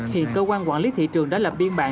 hiện cơ quan quản lý thị trường đã lập biên bản